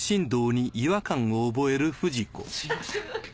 すみません